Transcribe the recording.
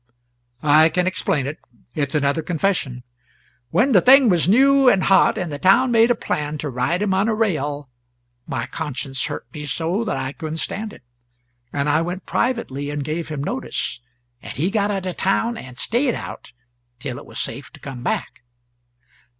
"I can explain it. It's another confession. When the thing was new and hot, and the town made a plan to ride him on a rail, my conscience hurt me so that I couldn't stand it, and I went privately and gave him notice, and he got out of the town and stayed out till it was safe to come back."